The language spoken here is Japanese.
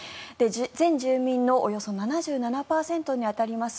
全住民のおよそ７７％に当たります